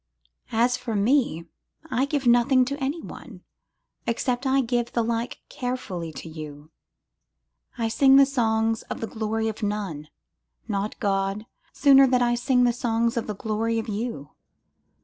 As for me, I give nothing to any one except I give the like carefully to you, I sing the songs of the glory of none, not God, sooner than I sing the songs of the glory of you.